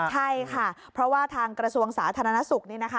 ใช่ค่ะเพราะว่าทางกระทรวงสาธารณสุขนี่นะคะ